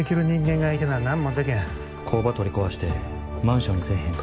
工場取り壊してマンションにせえへんか？